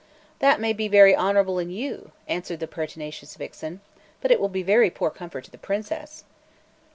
"That may be very honourable in you," answered the pertinacious vixen, "but it will be very poor comfort to the Princess."